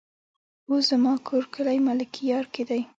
وو زما کور کلي ملكيارو کې دی